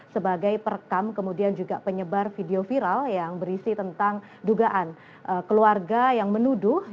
sebagai perekam kemudian juga penyebar video viral yang berisi tentang dugaan keluarga yang menuduh